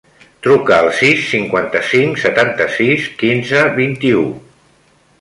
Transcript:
Truca al sis, cinquanta-cinc, setanta-sis, quinze, vint-i-u.